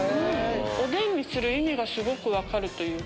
おでんにする意味がすごく分かるというか。